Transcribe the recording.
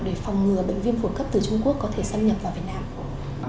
để phòng ngừa bệnh viêm phổi cấp từ trung quốc có thể xâm nhập vào việt nam